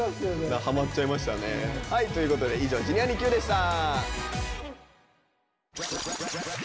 ハマっちゃいましたね。ということで以上「Ｊｒ．にＱ」でした。